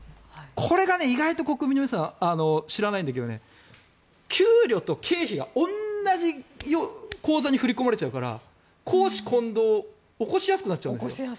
これ、意外と国民の皆さん知らないんだけど給与と経費が同じ口座に振り込まれちゃうから公私混同を起こしやすくなっちゃう。